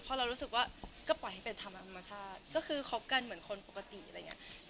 พอเรารู้สึกว่าก็ปล่อยให้เป็นธรรมชาติก็คือคบกันเหมือนคนปกติอะไรอย่างนี้